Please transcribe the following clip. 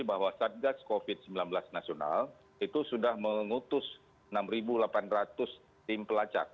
bahwa satgas covid sembilan belas nasional itu sudah mengutus enam delapan ratus tim pelacak